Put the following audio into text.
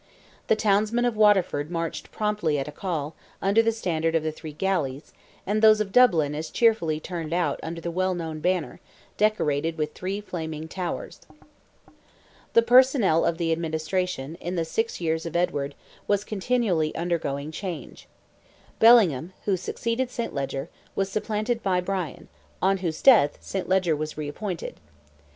The townsmen of Waterford marched promptly at a call, under their standard of the three galleys, and those of Dublin as cheerfully turned out under the well known banner, decorated with three flaming towers. The personnel of the administration, in the six years of Edward, was continually undergoing change. Bellingham, who succeeded St. Leger, was supplanted by Bryan, on whose death, St. Leger was reappointed.